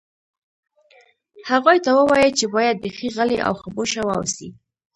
هغوی ته ووایه چې باید بیخي غلي او خاموشه واوسي